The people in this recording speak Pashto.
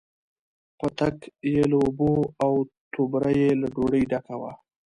پتک یې له اوبو، او توبره یې له ډوډۍ ډکه وه.